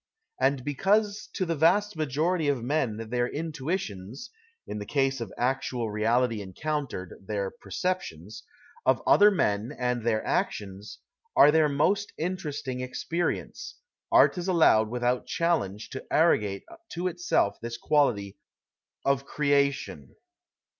And because, to the vast majority of men, their intuitions (in the case of actual reality encountered, their perceptions) of other men and their actions are their most interesting experience, art is allowed without challenge to arrogate to itself this quality of " creation."